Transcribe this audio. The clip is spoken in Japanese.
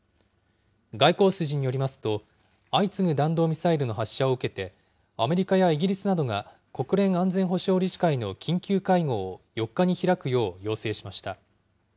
外交筋によりますと、相次ぐ弾道ミサイルの発射を受けて、アメリカやイギリスなどが、国連安全保障理事会の緊急会合を４日に開くよう要請しました。